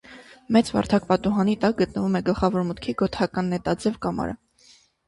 Մեծ վարդակ պատուհանի տակ գտնվում է գլխավոր մուտքի գոթական նետաձև կամարը։